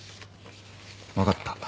分かった。